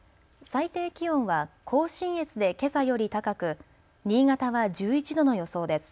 最低気温は甲信越でけさより高く新潟は１１度の予想です。